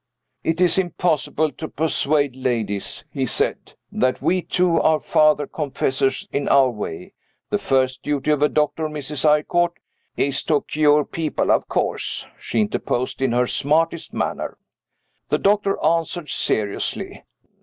"It is impossible to persuade ladies," he said, "that we, too, are father confessors in our way. The first duty of a doctor, Mrs. Eyrecourt " "Is to cure people, of course," she interposed in her smartest manner. The doctor answered seriously.